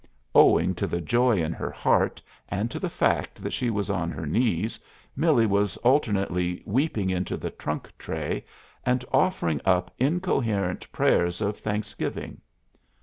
Owing to the joy in her heart and to the fact that she was on her knees, Millie was alternately weeping into the trunk tray and offering up incoherent prayers of thanksgiving.